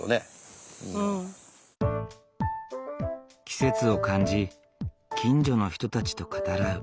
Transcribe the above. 季節を感じ近所の人たちと語らう。